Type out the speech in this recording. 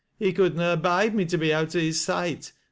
He could na abide me to be out o' his iight.